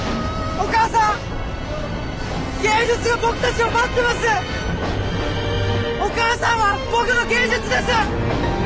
お母さんは僕の芸術です！